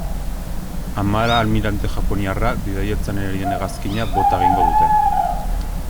Amara almirante japoniarra bidaiatzen ari den hegazkina bota egingo dute.